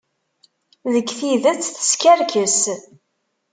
Deg tidet, teskerkes.